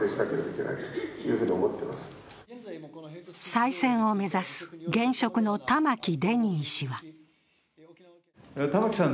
再選を目指す現職の玉城デニー氏は玉城さん